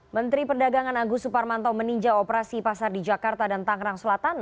menteri perdagangan agus suparmanto meninjau operasi pasar di jakarta dan tangerang selatan